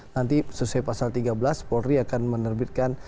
nanti sesuai pasal tiga belas polri akan menerbitkan